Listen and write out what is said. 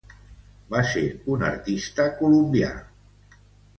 Va ser un artista colombià.